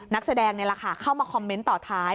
นักแสดงเข้า๑๙๗๘๙๐นข้อมูลต่อท้าย